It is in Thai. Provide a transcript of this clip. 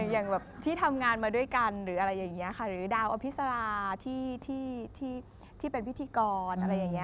อย่างที่ทำงานมาด้วยกันหรือดาวอพิษราที่เป็นพิธีกร